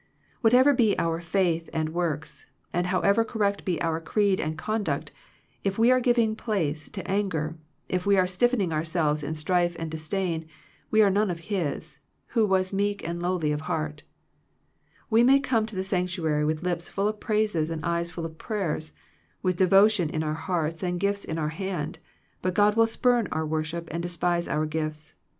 Whatever be our faith and works, and however correct be our creed and conduct, if we are giving place to anger, if we are stiffening ourselves in strife and disdain, we are none of His, who was meek and lowly of heart We may come to the Sanctuary with lips full of praises and eyes full of prayers, with devotion in our hearts and gifts in our hand, but God will spurn our worship and despise our gifts.